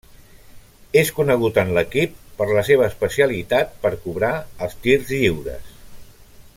És conegut en l'equip per la seva especialitat per cobrar els tirs lliures.